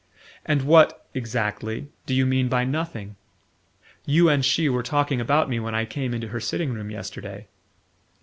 "And what exactly do you mean by 'nothing'? You and she were talking about me when I came into her sitting room yesterday."